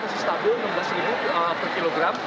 masih stabil rp enam belas per kilogram